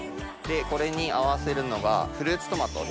これに合わせるのがフルーツトマトです。